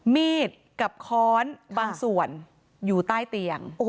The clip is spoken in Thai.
มีดกับค้อนบางส่วนอยู่ใต้เตียง